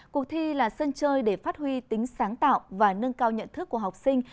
cuộc thi là sân chơi để phát huy tính sáng tạo và nâng cao nhận thức của học sinh